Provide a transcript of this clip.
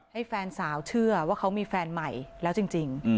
ให้แฟนสาวเชื่อว่าเขามีแฟนใหม่แล้วจริง